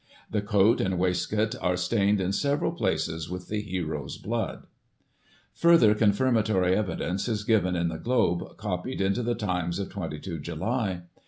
The coat and waistcoat are stained in several places with the hero's blood" Further confirmatory evidence is given in the Globe, copied into the Times of 22 July.